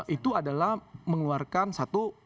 itu adalah mengeluarkan satu